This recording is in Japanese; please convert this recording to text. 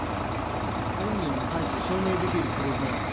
本人に関して証明できる記録がない。